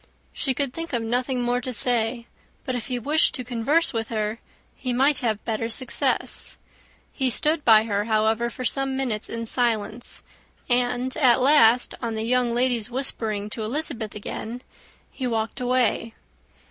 She could think of nothing more to say; but if he wished to converse with her, he might have better success. He stood by her, however, for some minutes, in silence; and, at last, on the young lady's whispering to Elizabeth again, he walked away.